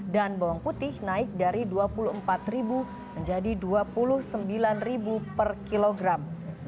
dan bawang putih naik dari rp dua puluh empat menjadi rp dua puluh sembilan per kilogram